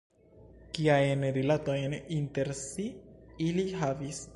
Kiajn rilatojn inter si ili havis?